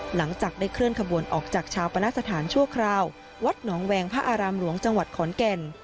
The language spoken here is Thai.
หลังจากได้เคลื่อนขบวนออกจากชาวปณสถานชั่วคราววัดหนองแวงพระอารามหลวงจังหวัดขอนแก่น